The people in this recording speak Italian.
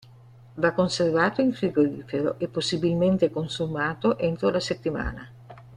Va conservato in frigorifero e possibilmente consumato entro la settimana.